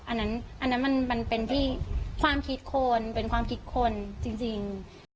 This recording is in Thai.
อันนั้นมันเป็นที่ความคิดคนเป็นความคิดคนจริง